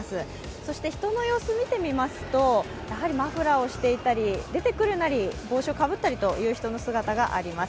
そして人の様子、見てみますとやはりマフラーをしていたり出てくるなり、帽子をかぶったりといった人の姿があります。